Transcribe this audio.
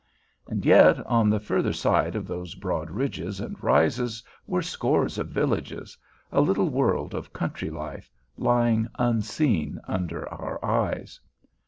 And yet, on the further side of those broad ridges and rises were scores of villages—a little world of country life, lying unseen under our eyes.